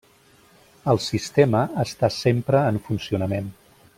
El sistema està sempre en funcionament.